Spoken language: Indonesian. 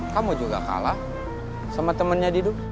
kamu juga kalah sama temannya didu